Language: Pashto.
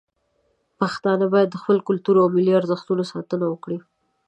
پښتانه باید د خپل کلتور او ملي ارزښتونو ساتنه وکړي.